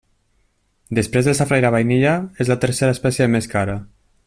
Després del safrà i la vainilla és la tercera espècie més cara.